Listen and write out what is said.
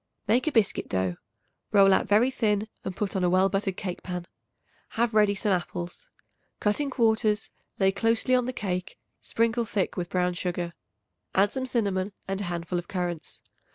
Make a biscuit dough; roll out very thin and put on a well buttered cake pan. Have ready some apples. Cut in quarters; lay closely on the cake; sprinkle thick with brown sugar; add some cinnamon and a handful of currants.